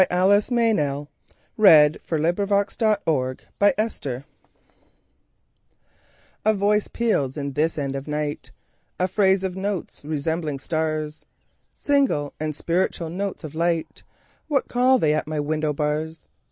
Alice Meynell1847–1922 A Thrush before Dawn A VOICE peals in this end of nightA phrase of notes resembling stars, Single and spiritual notes of light. What call they at my window bars?